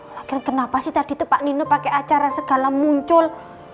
lagi kenapa sih tadi tuh pak nino pake acara segala muncul